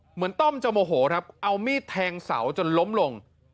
ต้อมจะโมโหครับเอามีดแทงเสาจนล้มลง